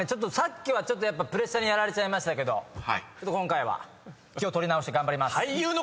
さっきはちょっとプレッシャーにやられちゃいましたけど今回は気を取り直して頑張ります。